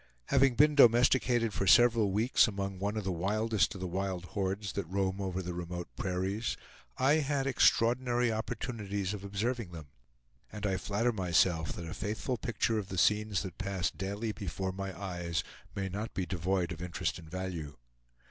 Having been domesticated for several weeks among one of the wildest of the wild hordes that roam over the remote prairies, I had extraordinary opportunities of observing them, and I flatter myself that a faithful picture of the scenes that passed daily before my eyes may not be devoid of interest and value.